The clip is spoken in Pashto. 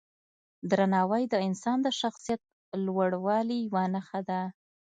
درناوی د انسان د شخصیت لوړوالي یوه نښه ده.